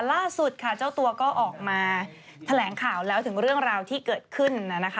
ล่าสุดค่ะเจ้าตัวก็ออกมาแถลงข่าวแล้วถึงเรื่องราวที่เกิดขึ้น